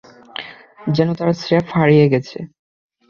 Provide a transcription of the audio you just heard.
যেন তারা স্রেফ হারিয়ে গেছে।